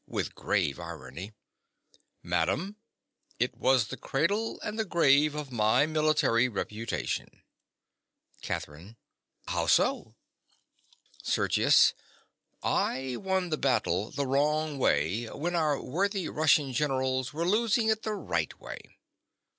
(with grave irony). Madam: it was the cradle and the grave of my military reputation. CATHERINE. How so? SERGIUS. I won the battle the wrong way when our worthy Russian generals were losing it the right way.